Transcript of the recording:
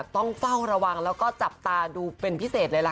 ต้องเฝ้าระวังแล้วก็จับตาดูเป็นพิเศษเลยล่ะค่ะ